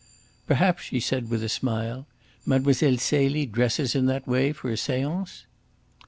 "Perhaps," she said, with a smile, "Mlle. Celie dresses in that way for a seance?"